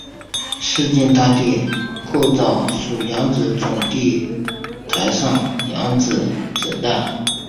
市境大地构造属扬子准地台上扬子台褶带。